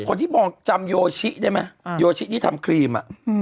คนที่มองจำโยชิได้ไหมโยชิที่ทำครีม